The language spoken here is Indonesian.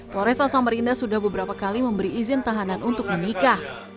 polresa samarinda sudah beberapa kali memberi izin tahanan untuk menikah